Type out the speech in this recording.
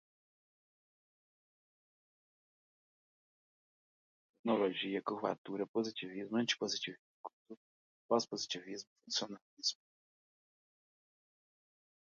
cronologia, curvatura, positivismo, antipositivismo, culturalismo, pós-positivismo, funcionalismo